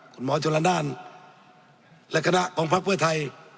คุณหมอจุลานด้านและคณะของภาคเพื่อไทย